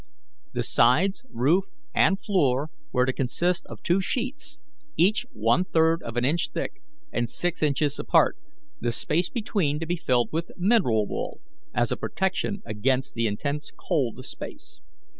The sides, roof, and floor were to consist of two sheets, each one third of an inch thick and six inches apart, the space between to be filled with mineral wool, as a protection against the intense cold of space.